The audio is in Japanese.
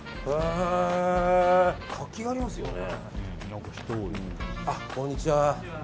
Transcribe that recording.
活気がありますよね。